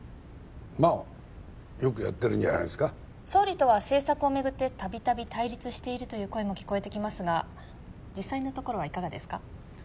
まあよくやってるんじゃないですか総理とは政策をめぐってたびたび対立しているという声も聞こえてきますが実際のところはいかがですか？